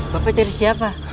bapak cari siapa